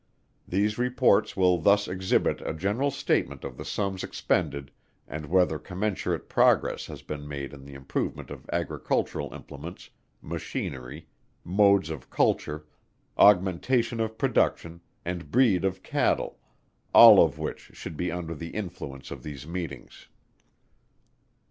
These Reports will thus exhibit a general statement of the sums expended and whether commensurate progress has been made in the improvement of Agricultural implements, machinery, modes of culture, augmentation of production, and breed of Cattle, all of which should be under the influence of these meetings.